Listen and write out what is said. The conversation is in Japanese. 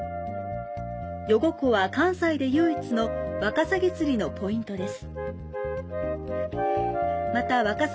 余呉湖は関西で唯一のワカサギ釣りのポイントです。